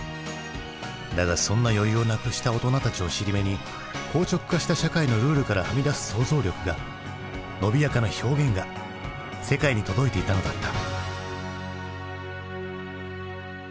だがそんな余裕をなくした大人たちを尻目に硬直化した社会のルールからはみ出す想像力がのびやかな表現が世界に届いていたのだった。